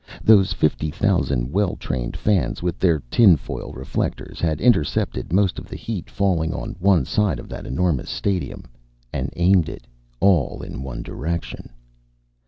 Those fifty GALAXY thousand well trained fans with their tin foil reflectors had inter cepted most of the heat falling on one side of that enormous stadium — and aimed it all in one direction.